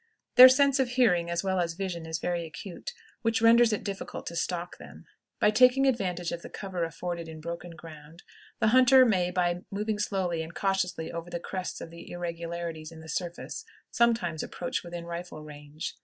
Their sense of hearing, as well as vision, is very acute, which renders it difficult to stalk them. By taking advantage of the cover afforded in broken ground, the hunter may, by moving slowly and cautiously over the crests of the irregularities in the surface, sometimes approach within rifle range.